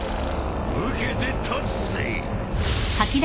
受けて立つぜ。